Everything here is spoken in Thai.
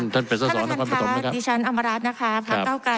ท่านประทันค่ะดิฉันอำราษนะครับพระเก้าไกรค่ะ